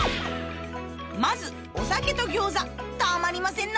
まずお酒と餃子たまりません